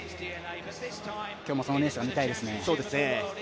今日もそのレースが見たいですね。